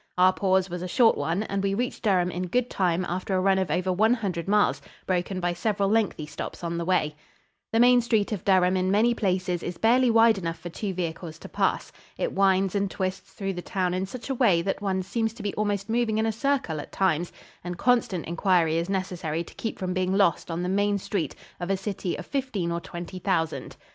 Our pause was a short one, and we reached Durham in good time after a run of over one hundred miles, broken by several lengthy stops on the way. The main street of Durham in many places is barely wide enough for two vehicles to pass. It winds and twists through the town in such a way that one seems to be almost moving in a circle at times and constant inquiry is necessary to keep from being lost on the main street of a city of fifteen or twenty thousand.